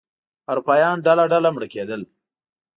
اروپایان ډله ډله مړه کېدل.